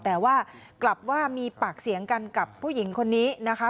แต่ว่ากลับว่ามีปากเสียงกันกับผู้หญิงคนนี้นะคะ